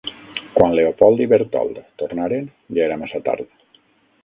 Quan Leopold i Bertold tornaren, ja era massa tard.